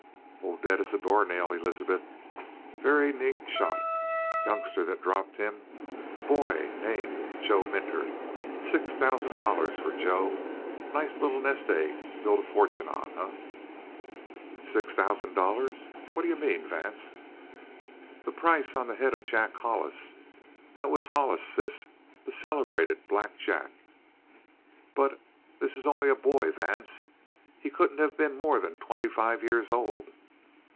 "Oh, dead as a doornail, Elizabeth. Very neat shot. Youngster that dropped him; boy named Joe Minter. Six thousand dollars for Joe. Nice little nest egg to build a fortune on, eh?" "Six thousand dollars! What do you mean, Vance?" "The price on the head of Jack Hollis. That was Hollis, sis. The celebrated Black Jack." "But this is only a boy, Vance. He couldn't have been more than twenty five years old."